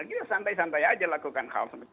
kita santai santai aja lakukan hal